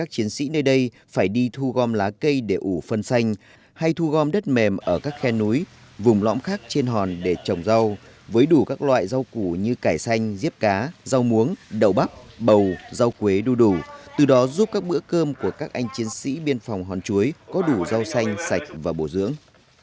tuy nhiên trong nhiều năm qua các chiến sĩ đội biên phòng hòn chuối có đủ rau xanh sạch và bổ dưỡng